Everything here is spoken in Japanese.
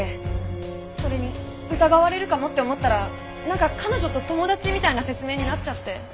それに疑われるかもって思ったらなんか「彼女と友達」みたいな説明になっちゃって。